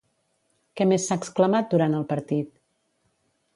Què més s'ha exclamat durant el partit?